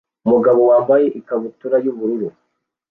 umugabo wambaye ikabutura y'ubururu